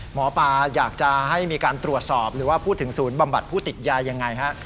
หมอปลาอยากจะให้มีการตรวจสอบหรือว่าพูดถึงศูนย์บำบัดผู้ติดยายังไงฮะ